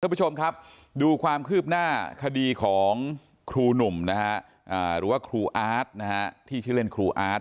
คุณผู้ชมครับดูความคืบหน้าคดีของครูหนุ่มนะฮะหรือว่าครูอาร์ตนะฮะที่ชื่อเล่นครูอาร์ต